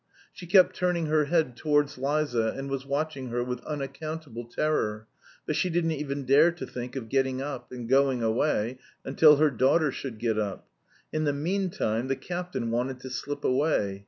She kept turning her head towards Liza and was watching her with unaccountable terror, but she didn't even dare to think of getting up and going away until her daughter should get up. In the meantime the captain wanted to slip away.